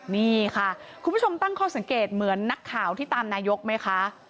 นี่ค่ะคุณผู้ชมตั้งข้อสังเกตเหมือนนักข่าวที่ตามนายกไหมคะ